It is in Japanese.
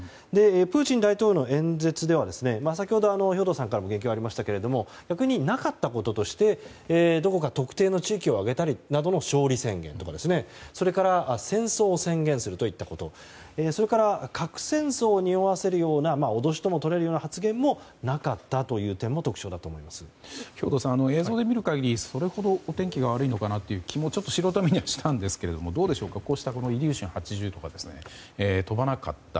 プーチン大統領の演説では先ほど、兵頭さんからも言及がありましたが逆になかったこととしてどこか特定の地域を挙げての勝利宣言とか、それから戦争を宣言するといったことそれから、核戦争をにおわせるような脅しともとれるような発言もなかったというところが兵頭さん、映像で見る限りそれほどお天気が悪いのかなということもちょっと素人目にはしたんですけれどもこうしたイリューシン８０とか飛ばなかった。